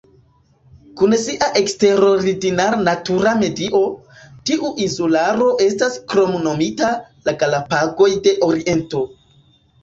Kun sia eksterordinara natura medio, tiu insularo estas kromnomita "La Galapagoj de Oriento".